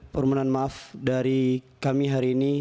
permohonan maaf dari kami hari ini